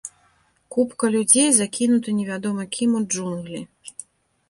Купка людзей закінута невядома кім у джунглі.